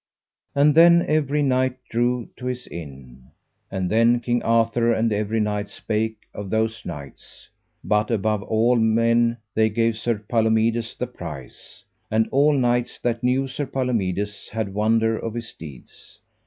And then every knight drew to his inn. And then King Arthur and every knight spake of those knights; but above all men they gave Sir Palomides the prize, and all knights that knew Sir Palomides had wonder of his deeds.